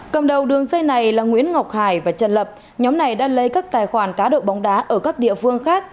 cầm đầu đường dây này là nguyễn ngọc hải và trần lập nhóm này đã lấy các tài khoản cá độ bóng đá ở các địa phương khác